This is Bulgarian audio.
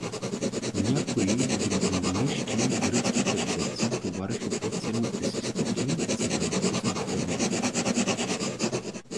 Някои дубровнишки и гръцки търговци товареха по-ценните си стоки, за да напуснат Търново.